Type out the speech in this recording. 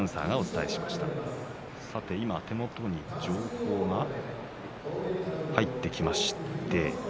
手元に情報が入ってきました。